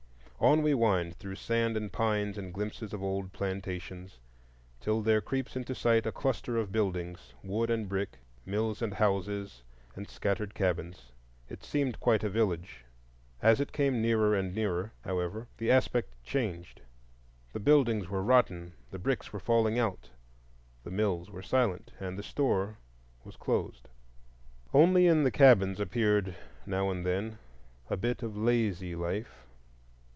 On we wind, through sand and pines and glimpses of old plantations, till there creeps into sight a cluster of buildings,—wood and brick, mills and houses, and scattered cabins. It seemed quite a village. As it came nearer and nearer, however, the aspect changed: the buildings were rotten, the bricks were falling out, the mills were silent, and the store was closed. Only in the cabins appeared now and then a bit of lazy life.